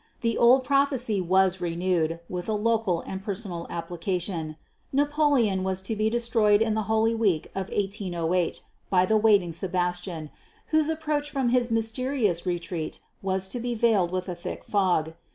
The old prophecy was renewed, with a local and personal application Napoleon was to be destroyed in the Holy Week of 1808, by the waiting Sebastian, whose approach from his mysterious retreat was to be veiled with a thick fog.